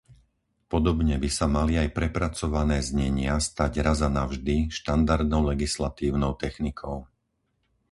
Podobne by sa mali aj prepracované znenia stať raz a navždy štandardnou legislatívnou technikou.